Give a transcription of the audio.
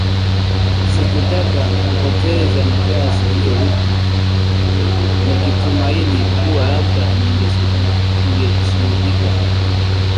Sikutaka kupoteza nafasi hiyo huku nikitumaini kuwa labda ningesuhudika